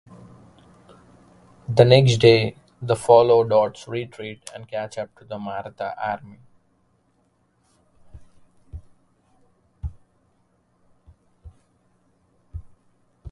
The next day they follow Dodd's retreat and catch up to the Maratha army.